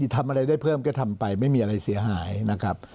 ทำอะไรได้เพิ่มก็ทำไปไม่มีอะไรเสียหายนะครับ